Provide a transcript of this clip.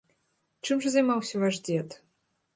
Чым жа займаўся ваш дзед?